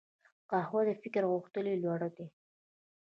قهوه د فکر غښتلي لوری دی